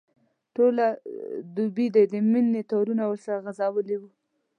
ټوله دوبي دي د مینې تارونه ورسره غځولي وو.